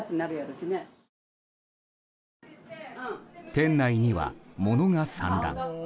店内には物が散乱。